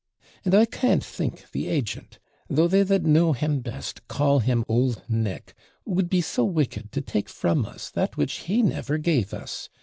And I can't think the agent, though they that know him best call him old Nick, would be so wicked to take from us that which he never gave us.